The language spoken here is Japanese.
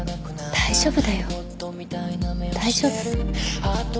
大丈夫。